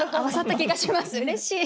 うれしい！